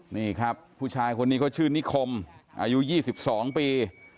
นี่ครับผู้ชายคนนี้เขาชื่อนิคมอายุ๒๒ปี